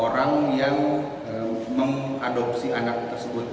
orang yang mengadopsi anak tersebut